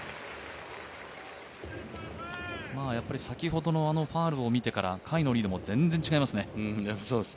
先ほどのファウルを見てから、甲斐のリードも全然違いますね。